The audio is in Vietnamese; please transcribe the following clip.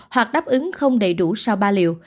hoặc đáp ứng không đầy đủ sau ba liều